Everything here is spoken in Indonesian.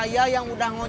kayak gitu loh